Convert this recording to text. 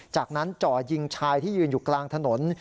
จากนั้นจ่อยิงชายที่ยืนอยู่กลางถนน